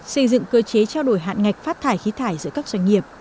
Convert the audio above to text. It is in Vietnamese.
xây dựng cơ chế trao đổi hạn ngạch phát thải khí thải giữa các doanh nghiệp